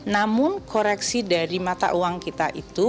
namun koreksi dari mata uang kita itu